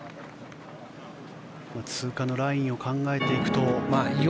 通過のラインを考えていくと。